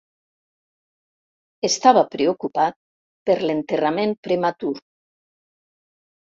Estava preocupat per l'enterrament prematur.